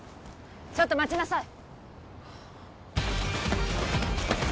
ちょっと待ちなさい！